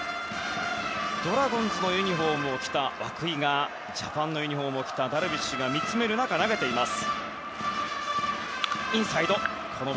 ドラゴンズのユニホームを着た涌井がジャパンのユニホームを着たダルビッシュが見つめる中投げています。